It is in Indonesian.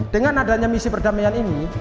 dengan adanya misi perdamaian ini